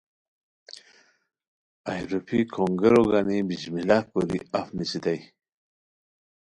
اہی روپھی کھونگیرو گانی بسم اللہ کوری اف نیسیتائے